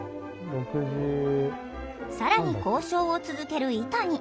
更に交渉を続けるイタニ。